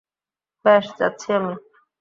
বেশ, যাচ্ছি আমি।